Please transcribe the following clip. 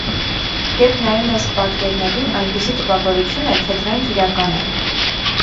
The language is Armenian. Երբ նայում ես պատկերներին, այնպիսի տպավորություն է, թե դրանք իրական են։